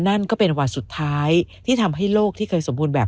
นั่นก็เป็นวันสุดท้ายที่ทำให้โลกที่เคยสมบูรณ์แบบ